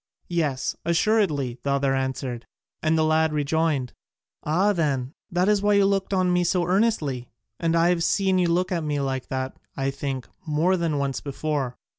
"Yes, assuredly," the other answered, and the lad rejoined, "Ah, then, that is why you looked at me so earnestly; and I have seen you look at me like that, I think, more than once before."